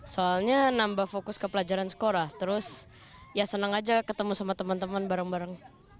soalnya nambah fokus ke pelajaran sekolah terus ya senang aja ketemu sama teman teman bareng bareng